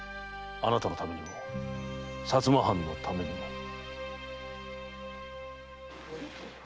あなたのためにも薩摩藩のためにも。